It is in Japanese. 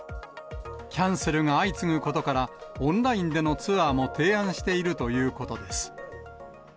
キャンセルが相次ぐことから、オンラインでのツアーも提案しているということです。